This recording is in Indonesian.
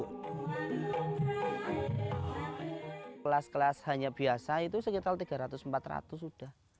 kelas kelas hanya biasa itu sekitar tiga ratus empat ratus sudah